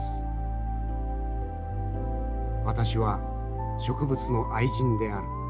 私は植物の愛人である。